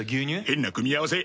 変な組み合わせ。